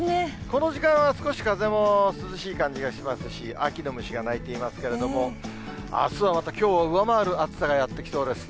この時間は少し風も涼しい感じがしますし、秋の虫が鳴いていますけれども、あすはまた、きょうを上回る暑さがやって来そうです。